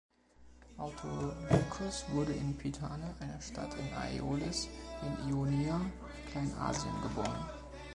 Autolycus wurde in Pitane, einer Stadt in Aeolis in Ionia, Kleinasien, geboren.